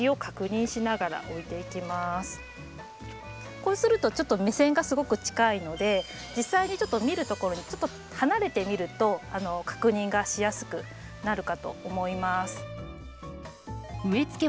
こうするとちょっと目線がすごく近いので実際に見るところでちょっと離れて見ると確認がしやすくなるかと思います。